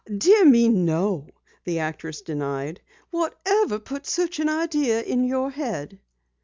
"Dear me, no!" the actress denied. "Whatever put such an idea in your head?"